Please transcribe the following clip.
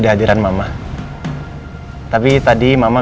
gak ada apa apa